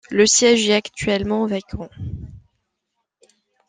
Le siège est actuellement vacant.